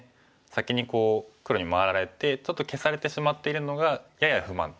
先に黒に回られてちょっと消されてしまっているのがやや不満と。